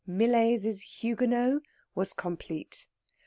"Millais' Huguenot" was complete.